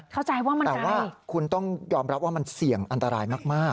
เข้าใจว่ามันแต่ว่าคุณต้องยอมรับว่ามันเสี่ยงอันตรายมาก